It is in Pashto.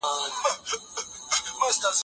د خیرخانې په کوتل کې ټول موټر په قطار ولاړ وو.